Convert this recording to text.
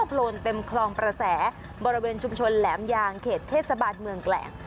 โลนเต็มคลองประแสบริเวณชุมชนแหลมยางเขตเทศบาลเมืองแกลง